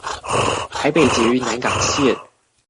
台北捷運南港線